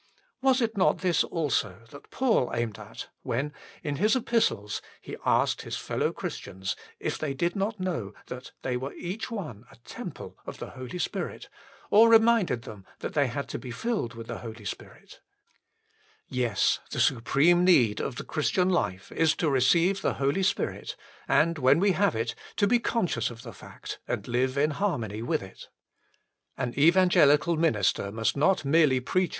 l Was it not this also that Paul aimed at when in his Epistles he asked his fellow Christians if they did not know > that they were each one " a temple of the Holy Spirit," or reminded them that they had to be " filled with the Holy Spirit "? 2 Yes : the supreme need of the Christian life is to receive the Holy Spirit, and when we have it, to be conscious of the fact and live in harmony with it. An evan gelical minister must not merely preach about 1 Acts ii. 38. 2 1 Cor. vi. 19 ; Eph.